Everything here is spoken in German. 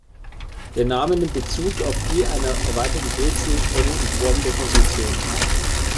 Der Name nimmt Bezug auf die einer erweiterten Brezel ähnelnde Form der Konstruktion.